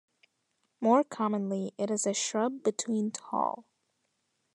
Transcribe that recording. More commonly it is a shrub between tall.